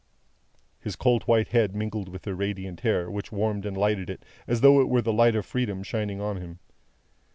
His cold white head mingled with her radiant hair, which warmed and lighted it as though it were the light of Freedom shining on him.